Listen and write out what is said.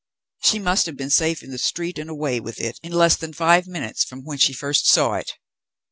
She must have been safe in the street and away with it, in less than five minutes from when she first saw it.